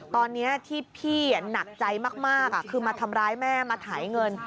ตอนนี้ที่พี่หนักใจมากคือมาทำร้ายแม่มาถ่ายเงิน